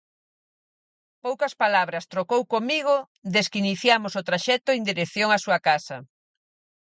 Poucas palabras trocou comigo des que iniciamos o traxecto en dirección á súa casa.